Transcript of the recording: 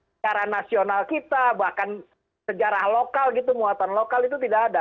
sejarah nasional kita bahkan sejarah lokal gitu muatan lokal itu tidak ada